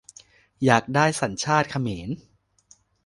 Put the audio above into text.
อยากได้สัญชาติเขมร ?